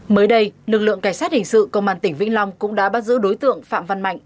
mới đây lực lượng cảnh sát hình sự công an tỉnh vĩnh long cũng đã bắt giữ đối tượng phạm văn mạnh